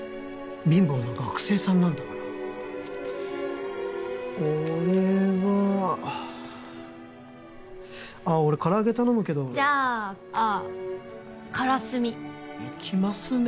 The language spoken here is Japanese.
貧乏な学生さんなんだから俺はあっ俺唐揚げ頼むけどじゃあカラスミいきますね